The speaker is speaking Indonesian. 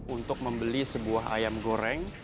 untuk membeli sebuah ayam goreng